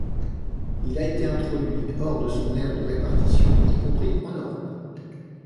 Il a été introduit hors de son aire de répartition, y compris en Europe.